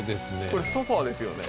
これソファですよね？